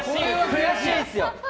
悔しいですよ。